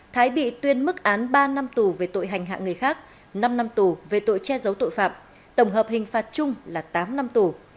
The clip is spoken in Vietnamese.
thái bị tuyên mức án ba năm tù về tội hành hạ người khác năm năm tù về tội che giấu tội phạm tổng hợp hình phạt chung là tám năm tù